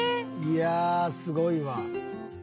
いやあすごいわ。